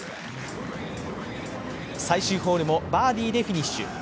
最終ホールもバーディーでフィニッシュ。